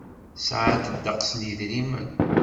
Sɛant ddeqs n yedrimen.